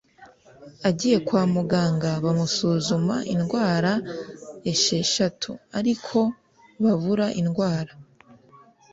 agiye kwa muganga bamusuzuma indwara esheshatu ariko babura indwara